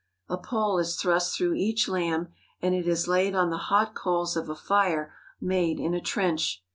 A pole is thrust through each lamb, and it is laid on the hot coals of a fire made in a trench.